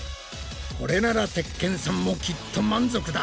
これなら鉄拳さんもきっと満足だ。